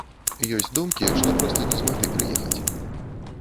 Ёсць думкі, што проста не змаглі прыехаць.